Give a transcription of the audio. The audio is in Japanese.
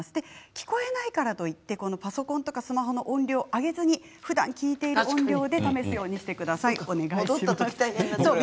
聞こえないからといってパソコンとかスマホの音量を上げずにふだん聞いている音量で試すようにしてください。